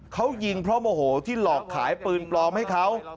เขายิงเพราะโมโหที่หลอกขายปืนปลอมให้เขา